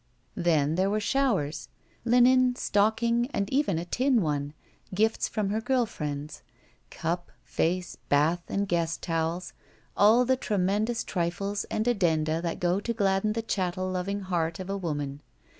Then there were "showers," — linen, stocking, and even a tin one; gifts from her girl friends — cup, face, bath and guest towels; all the tremendous trifles and addenda that go to gladden the chattel loving heart of a woman.